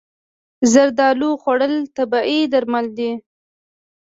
زردالو خوړل طبیعي درمل دي.